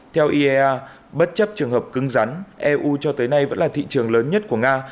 theo iea bất chấp trường hợp cưng rắn eu cho tới nay vẫn là thị trường lớn nhất của nga